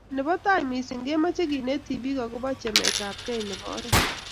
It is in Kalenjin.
nebo tai missing, komeche keneti biik agoba chemetgei nebo oret